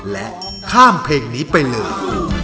และข้ามเพลงนี้ไปเลย